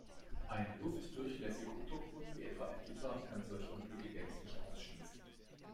Ein luftdurchlässiger Untergrund, wie etwa ein Gitter, kann solche Unglücke gänzlich ausschließen.